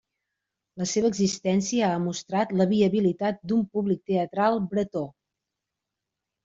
La seva existència ha mostrat la viabilitat d'un públic teatral bretó.